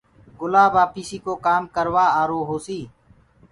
گُلآب آپيسي ڪآم ڪروآ آرو هوسي